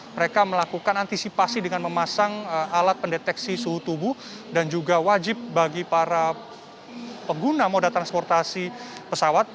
mereka melakukan antisipasi dengan memasang alat pendeteksi suhu tubuh dan juga wajib bagi para pengguna moda transportasi pesawat